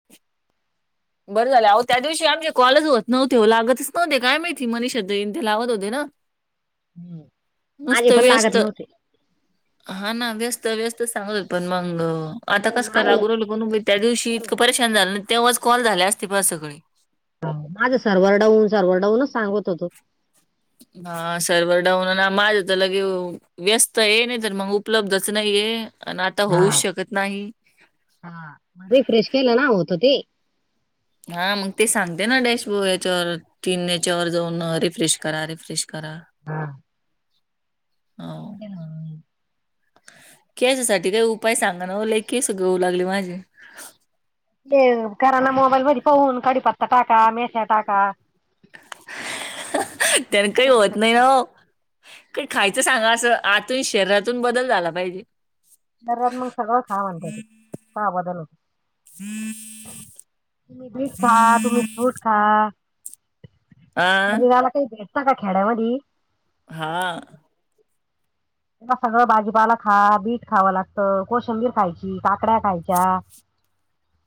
[inaudible] बरं झालं अहो त्या दिवशी आमचे कॉल च होत नव्हते ओ लागतच नव्हते काय माहिती? मनीषा ताई तेन लावत होत्या ना? हम्म. [inaudible] नुसत माझे पण लागत व्यस्त नव्हते हा ना व्यस्त व्यस्त सांगत होत न मंग आता नाही कसं माझ कराव [unintelligible] त्या दिवशी इतकं परेशान झालं ना तेव्हाच कॉल झाले असते प सगळे. ह माझं सर्वर डाऊन, सर्वर डाऊनच सांगत होत. हा सर्वर डाऊन ना माझे तर लगेव व्यस्त आहे नाही तर मग उपलब्धच नाहीये आणि आता होऊच शकत नाही. हा, रीफ्रेश केल ना होत ते. हा मग ते सांगते ना डॅशबो याच्यावर तीन हे च्यावर जाऊन रिफ्रेश करा, रिफ्रेश करा. हा, हा. हो. हे ह. केसासाठी काही उपाय सांगा ना व लई केस गळू लागली मा ते कराना मोबाईल मधी पाहून कडीपत्ता टाका, मेथ्या टाका. [inaudible] त्यांन काही होत नाही नाही ओ. काही खायचं सांगा असं आतून शरीरातून बदल झाला पाहिजे. शरीरात मग सगळं खा म्हनत ते हा बदल [inaudible] [inaudible] तुम्ही बीट खा तुम्ही फ्रुट खा [inaudible] आ शरीराला काही भेटत का खेड्यामध्ये? हा. तू सगळं भाजीपाला खा. बीट खावं लागतं, कोशंबीर खायची, काकड्या खायच्या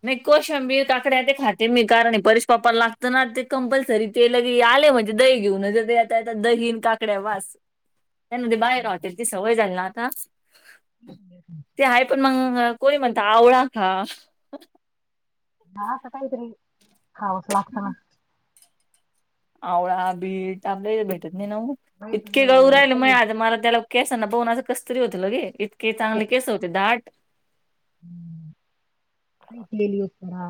नाही कोशंबिर, मी काकड्या ते खाते, मी कारण परेश पप्पाला लागत ना ते कंपल्सरी ते लगे आले होते दही घेऊन [unintelligible] येता येता दहीन, काकड्या वास तेंना ते बाहेर हॉटेल ची सवय झाले ना आता. [inaudible] [inaudible] ते आहे, पण मग कोणी म्हणत आवळा खा? असं काहीतरी खावच लागतं ना. आवळा, बीट आपल्या इथ भेटत नाही ना ओ, नाही तर इतके गळू मग राहिले माय काही आज मला त्याला केसांना पाहून असं कसतरी होत, लगे इतके चांगले केस होते दाट ती डेली युज करा.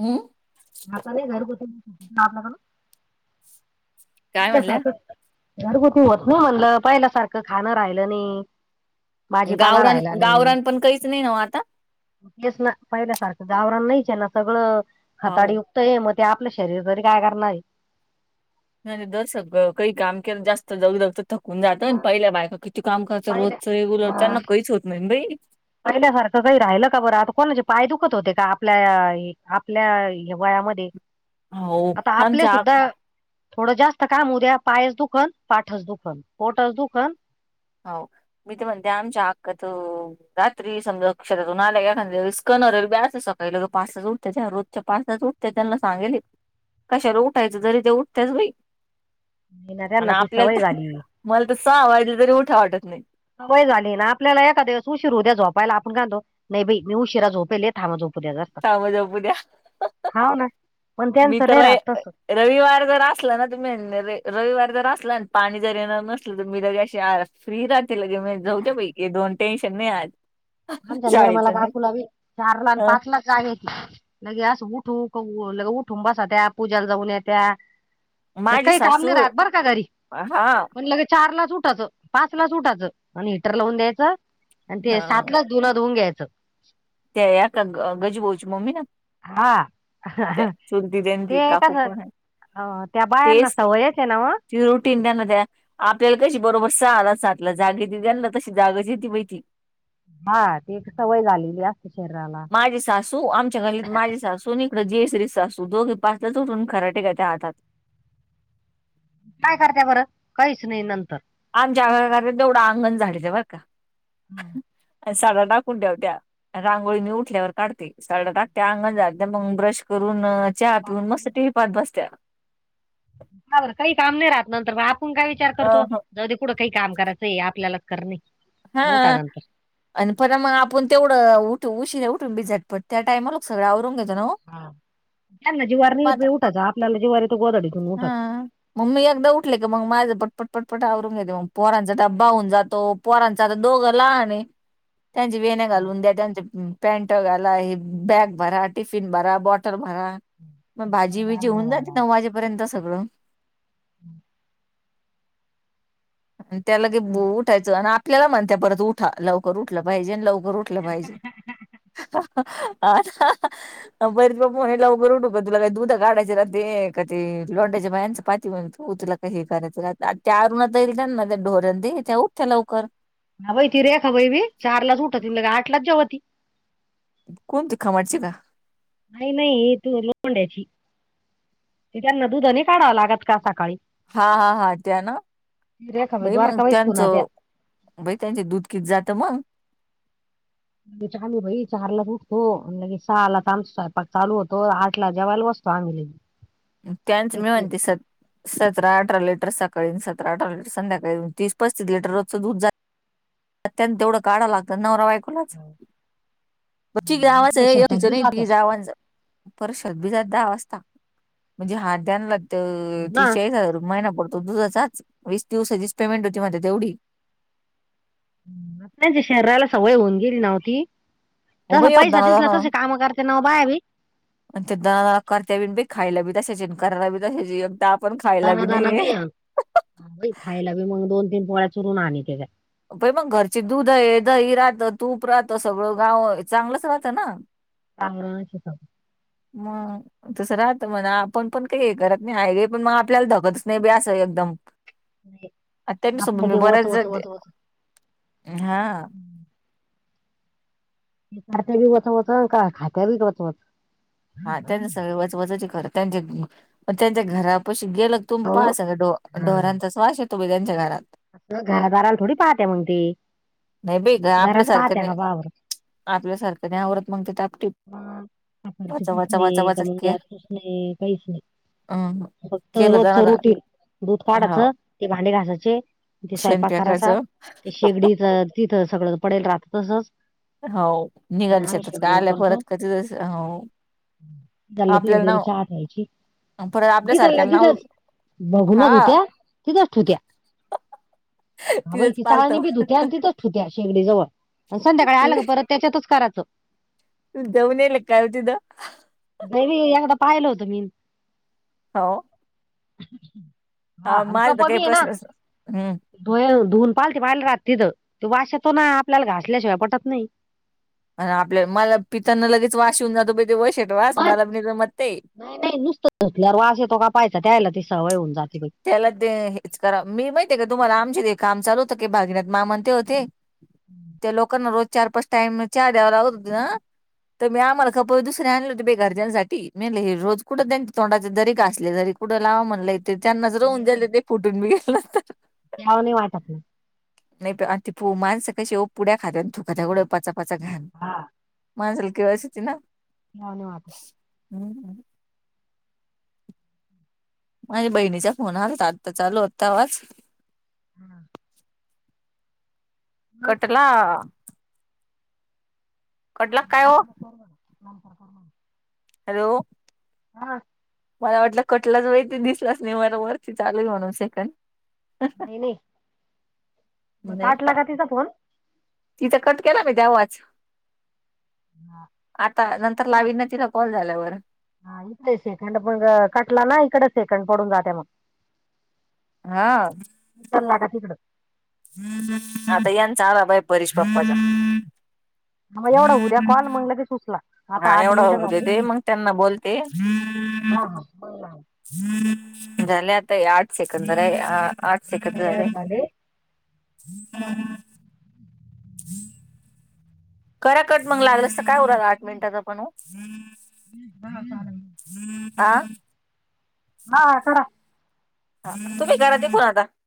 हम्. आता नाही घर कुठ जाताना? काय म्हणल्या गारगोटी वरन आणलं, पाहिल्या सारखं खान नाही राहिलं. भाजीपाला गावरान राहिला नाही गावरान पण कहीच नाही ना ओ आता तेच ना पहिल्यासारखं गावरान नाहीच आहे ना, सगळंच हाव खताडी ए म ते आपल शरीर तरी काय करणार ए नाही तर सगळं काही काम केलं, जास्त दग दगच तर थकून जातं, मग पहिल्या बायका कित ती काम करतात. पहिल्या रोजच ए अं, त्यांना कहीच होत नाई बाई पहिल्यासारखं काही राहिल का बरं? आता कोणाचे पाय दुखत होते का? आपल्या ए आपल्या ह्या वयामधे ते हाव आता आपले आमच्या आ सुद्धा थोडं जास्त काम होउद्या पायस दुखन, पाठच दुखन पोटच दुखन हाव मी तर म्हणते, आमच्या आकात रात्री समजा शेतातून आल्या एखादया वेळेस कणहू राहिल्या बा, असच सकाळी लवकर पाचलाच उठत्या त्या, रोजच्या पाचलाच उठत्याता ते त्यांना सांगेले कशाला उठायच? जरी त्या उठतेच बाई नाही ना आणि त्यांना ती सवय आपल्याला तर झाली मला तर सहा वाजले, तरी उठाव वाटत नाही. सवय झाली ना, आपल्याला एका दिवस उशीर होउद्या झोपायला, आपण काय म्हणतो नाही बाई मी उशिरा झोपेले थांबा झोप झोपू द्या जर का, थांबा झोपू द्या. हाव ना पण मी त्याच तर नाही राहत र- तस रविवार जर असला ना, तर मी रविवार जर असला अन् पाणी जर येणार नसलं, तर मी अशी आळास फ्री राहते, लगे म्या जाऊद्या बाई हे दोन टेन्शन नाही आज आमच्या निरमला शाळेचं नाही काकूला बी चारला आणि हं. पाचलाच जाग येती, लगे अस उठू क ल उठून बसत्या्, पूजेला जाऊन येत्या. न माझी काई काम सासू नाही राहत बरं का घरी? हा हा पण लगे चारलाच उठाच पाच लाच उठाचं आणि हिटर लावून द्यायचं आणि ते सातलाच धुण धुऊन घ्यायचं. त्या एका गजू भाऊ ची मम्मी ना? हा त्या [unintelligible] चुलती त्यांची ते काकू कस अ कोण आहे त्या बायांना सवयच आहे ना ओ ते रुटीन त्यांना द्या. आपल्याला कशी बरोबर सहाला, सातला जाग येती त्याना तशी जागच येते, बाई ती हा ती एक सवय झालेली असते शरीराला माझी सासू आमच्या गल्लीत माझी सासू नी इकडं जयश्री सासू दोघे पहाटेच उठून खराटे घेतात हातात काय कर त्या बरं? काहीच नाही नंतर आमच्या घरातल तेवढं अंगण झाडीते बर का? [inaudible] पण सांगणार कुठ त्या? रांगोळी मी उठल्यावर काढते. सडा टाकते, आंगण झाडते, मग ब्रश करून च्या का पीवून मस्त टीवी पाहत बसत्या हा बर काही काम नाही राहत, नंतर म आपण काय विचार करतो अ जाऊ दे कुढं काही काम करायचंय आपल्यालाच करणे. उठा हा. नंतर आणि परण मग आपण तेवढं उठ उशिरे उठून बिझटपड त्या टाइमला ल सगळं आवरून घेतो ना. हा त्यांना जीवार मग आता नाही उठायच आपल्याला जिवारी येतो गोदाडी घेन उठाच. हा मग मी एकदा उठले की मग माझं पटपट पटपट आवरूनंग घेते मग पोरांचा ड्बाहून जातो. पोरांच आता, दोघं लहान ए त्यांची वेण्या हा घालून देत्याल त्यांनी पॅन्ट घाला हे बॅग भरा, टिफिन भरा, बॉटल भरा मग भाजी बिजी होऊन जाते, नऊ वाजेपर्यंत सगळं त्या लगे उठायचं आन आपल्याला म्हणतिया परत उठा लव लवकर उठलं पाहिजे आण लवकर उठलं पाहिजे, आ बरीच बाप् म्हला उरठक तुला काही दुधा काढाय ते का ते लोंडयच्या बायांचं पाती म्हण तुला. हे करायच त्यावरुणात येईल त्या ना ढोरण ते उठ्या लवकर. ह बाई ती रेखा बई बी चारलाच उठत त आठलाच जे ती. कोण चुखा मच का. नाही नाही तू लों द्याची ते त्यांना दुधानी काढावं लागत का सकाळी. हा हा हा त्या ना ती रेखा बाई भाई मग द्वारका बाई सुना त्या त्यांचं. बई त्यांचे दूध कच जातं मग. म्ह आम्ही भाई चारला उठतोगे सहाला तर आमचाक चालू होतो आठ ला जेवायला बसतो आम्ही लगे. त्यांच मी म्हणते स. सतरा अठरा लिटर सकाळी सरा अठरा लिटर संध्याकाळी तीस पस्तीस लिटर रचं दूध. अत्यंत तेवढं काढा लागत न गावाच आमच्या शेतात तिच बी त जात्यात जावच. परशलबीज द वाजता म्हणजे हात द्यानला तर ना तिशळी हजर महिना पड. तो दुधाचाच वीस दिवसाचीच पेमेंट होती मझ तेवढी. आपच्या शहरीराला सवय होऊन गेली नव्हती. हो जसा बाई पैसा दिसला दनादाना तसे काम करते नाव बायावी. आणि त्या दना करत्या बीन ब खायला बी ताचे आणि करायला बीायचे एकदा. आपण खायला दना बी दणा नाहीये बी खायला बी मग दोन तीन पोळ्या चुरून आण त्याच्या. प मग घरचे दूध आहे दही राहत तूप राहतं सगळं गाव चांगलंच राहतं ना. चांगलं शिकव. मग तसं राहत म्हणा आपण पण काही हे करत नाही हायवे पण मग आपल्याला धकतच नाही बी असं एकदम. नाही. त्यांच्यासोबत आपल्याला मी ते वच बऱ्याच वच वच वच हा. ते कात्या बी वत होत का खात्या बीत होत. हा त्यांचे सगळे व वजची कर त्यांचे त्यांच्या घरा पशी गेल तुम अहो पाहा सग डोर्यांचाच वास आहे तुम्ही त्यांच्या घरात. घरादाराला थोडी पाहत मग ते. नाही बे का घरात पाहत्या आपल्यासारख्याने का पहा बरं. आपल्यासारख्याने आववरत मग ते टापटिप. हा कापची कूच नाही का मून के गॅसच नाही काहीच नाही. अं फक्त केलं दणा रोजचा दणा रूटी. दूध काढायच हाव ते भांडे घासाचे ते शेण स्वयंपाक करायचा फेकायचं ते शेगडीच. तिथं सगळं पडेल राात तसंच. हो, आणि निघाल आम्ही शेतात का आल्या परत कधीस हो, झालं तिलं चहा प्यायची परत तिथल्या आपल्यासारख्याला नाव तिथेच. बघूल हा घेतल्या तिथेच ठुत्या. [inaudible] हाई ती चाळणी पालतं बी धुत्या आणि तिथच ुत्या शेगडी जवळ आणि संध्याकाळी तुम्ही आलं ग परत त्याच्यातच करायचं. जाऊन येल का हो तिथं. मीबी एकदा पाहिलं होतं मी. हा ओ. [inaudible] ह माझ तर कप काय बी आहे ना प्रश्न असं हम्म. धुय धुवून पालती पाहिले रात तिद ते वाश येतो ना आपल्याला घासल्याशिवाय पटत नाही. आणि आपल्या मला पिताना लगेच वाश येऊन जातो बय ते वशाट वास मला बि नाय जमत ते. नाय नाय नुसतं खोकल्यावर वास येतो का पाहायचा त्यायला ती सवय होऊन जाते बाई. त्याला ते हेच करा मी माहिती आहे का तुम्हाला आमचे ते काम चाल होतं की भागीनाथ मा म्हणते होते. त्या लोकांना रोज चार पाच टाइम चार द्यावा लावत होती ना. तर मी आम्हाला कप दुसरे आणल होते बे घरच्यांसाठी म्हले हे रोज कुठं त्यांच्या तोंडाचे जरी घासले तरी. पुढं लावा म्हणलंय तेे त्यांनाच नाही राहून हो जाले ते फुटून मी घेलं. प्याव नाही वाटत ना नाय त आणि ती पू माणसं कशी ओ पुड्या खात्या आणि थुकत्या कुठ पचापचा घाण हा. माणसाला कीळस येती ना. नाय ना आत हम्म हं माया बहिणीचा फोन आलता आता चालू होता तवाच हा. मग कटला कटला नाय काय हो आता नको करू म्हणावं नंतर कर म्हणावं हॅलो, हा. मला वाटलं कटलंच बाई ते दिसलास नाही मला वरती चालूय म्हणून सेकंड नाही नाही म काटला का तिचा फोन तिचा कट केला मी तेवाच हा, आता नंतर इकडं लावीन ना तिला कॉल झाल्यावर हा इकडे शेकंड पण कटला ना इकडेच शेकंड पडून जात्या मग हा. उचला का तिकडं आता यांचा आला बाई परीच्या पप्पाचा म एवढा होऊद्या कॉल मंग लगेच उचला हा आता आठ एवढा मिनटं होऊ झाले देते मग त्यांना बोलते हा हा मंग लाव झाले आता हे आट सेकंद राय हा आट सेकंद रायले. साडेआठ झाले [unintelligible] [unintelligible] करा कट मंग लागलास त काय होऊ रायला आठ मिनिटाचा पण ओ. हा चालेल. आ हा करा. हा तुम्ही करा तिकून आता